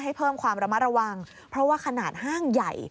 ให้เพิ่มความระมัดระวังเพราะว่าขนาดห้างใหญ่